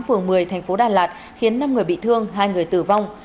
phường một mươi thành phố đà lạt khiến năm người bị thương hai người tử vong